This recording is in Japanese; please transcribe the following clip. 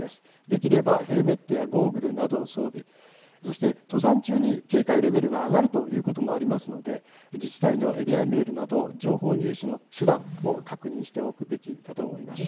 できればヘルメットやゴーグルなどを装備そして登山中に警戒レベルが上がるということもありますので自治体のエリアメールなど情報入手の手段も確認しておくべきだと思います。